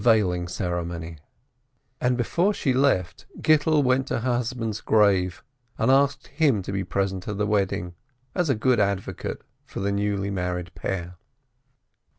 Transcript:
A GLOOMY WEDDING 99 And before she left, Gittel went to her husband's grave, and asked him to be present at the wedding as a good advocate for the newly married pair.